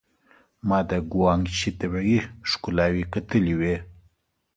ما د ګوانګ شي طبيعي ښکلاوې کتلې وې.